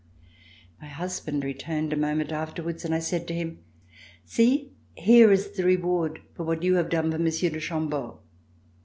My husband returned a moment afterwards, and I said to him: "See, here is the reward for what you have done for Monsieur de Chambeau."